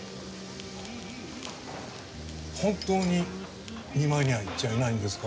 本当に見舞いには行っちゃいないんですか？